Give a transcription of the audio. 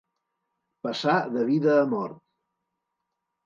Passà de vida a mort.